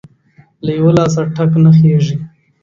له يوه لاسه ټک نه خيږى.